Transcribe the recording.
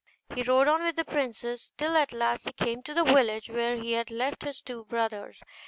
He rode on with the princess, till at last he came to the village where he had left his two brothers.